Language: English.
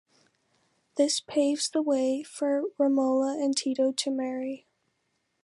This paves the way for Romola and Tito to marry.